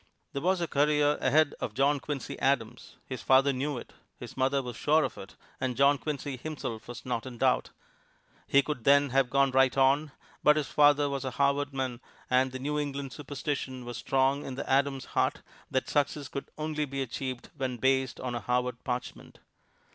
There was a career ahead for John Quincy Adams his father knew it, his mother was sure of it, and John Quincy himself was not in doubt. He could then have gone right on, but his father was a Harvard man, and the New England superstition was strong in the Adams heart that success could only be achieved when based on a Harvard parchment.